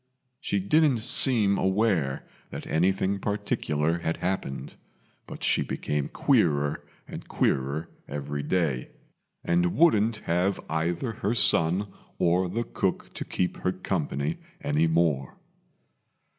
She didn't seem aware that anything particular had happened, but she became queerer and queerer every day, and wouldn't have either her son or the cook to keep her company any more.